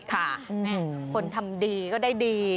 ้ื้มคือทำดีก็ได้ดี